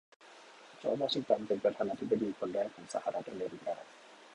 จอร์จ วอชิงตันเป็นประธานาธิบดีคนแรกของสหรัฐอเมริกา